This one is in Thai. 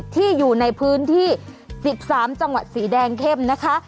ที่อยู่ในพื้นที่๑๓จังหวัดสีแดงเข้มนะคะ